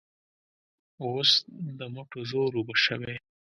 اوس د مټو زور اوبه شوی.